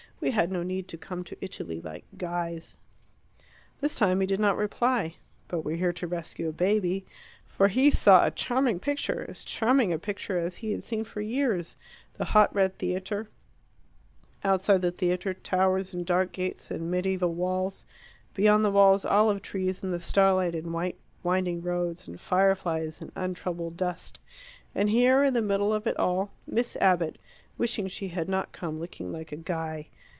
We had no need to come to Italy like guys." This time he did not reply, "But we're here to rescue a baby." For he saw a charming picture, as charming a picture as he had seen for years the hot red theatre; outside the theatre, towers and dark gates and mediaeval walls; beyond the walls olive trees in the starlight and white winding roads and fireflies and untroubled dust; and here in the middle of it all, Miss Abbott, wishing she had not come looking like a guy.